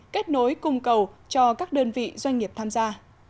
kết nối cung cầu cho các đơn vị doanh nghiệp tham gia